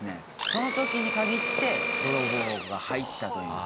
その時に限って泥棒が入ったという。